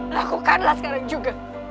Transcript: lakukanlah sekarang juga